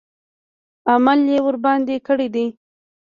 عمل یې ورباندې کړی دی.